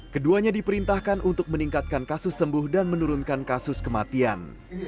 keduanya diperintahkan untuk meningkatkan kasus sembuh dan menurunkan kasus kematian